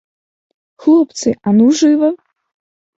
Хлопцы, а ну жыва!